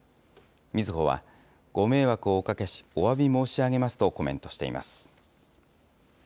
みずほは、ご迷惑をおかけし、おわび申し上げますとコメントしています。